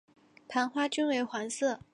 盘花均为黄色。